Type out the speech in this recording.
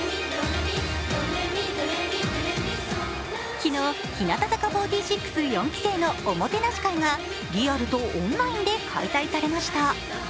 昨日、日向坂４６四期生のおもてなし会がリアルとオンラインで開催されました。